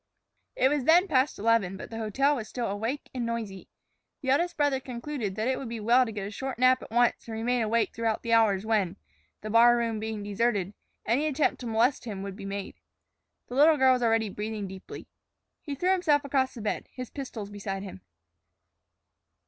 It was then past eleven, but the hotel was still awake and noisy. The eldest brother concluded that it would be well to get a short nap at once and remain awake throughout the hours when, the bar room being deserted, any attempt to molest him would be made. The little girl was already breathing deeply. He threw himself across the bed, his pistols beside him.